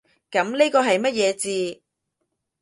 噉呢個係乜嘢字？